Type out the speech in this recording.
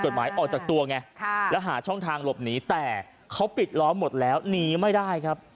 หมายออกจากตัวไงแล้วหาช่องทางหลบหนีแต่เขาปิดล้อมหมดแล้วหนีไม่ได้ครับ